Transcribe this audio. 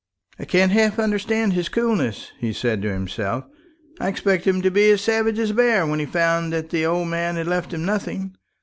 "I can't half understand his coolness," he said to himself; "I expected him to be as savage as a bear when he found that the old man had left him nothing.